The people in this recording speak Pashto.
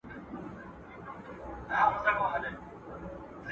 عبدالباري جهاني د پښتنو د تاريخ په اړه ډېرې ښې ليکنې کړي دي.